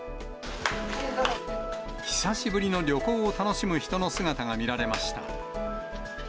久しぶりの旅行を楽しむ人の姿が見られました。